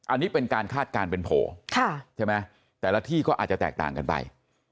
อันนี้เป็นการคาดการณ์เป็นโผล่ใช่ไหมแต่ละที่ก็อาจจะแตกต่างกันไป